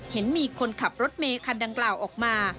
เห็นมีคนขับรถเมคันดังกล่าวออกมา